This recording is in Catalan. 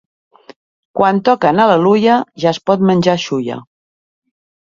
Quan toquen al·leluia ja es pot menjar xulla.